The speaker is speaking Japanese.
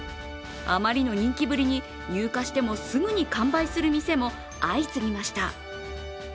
あまりの人気ぶりに、入荷してもすぐに完売する店も相次ぎました。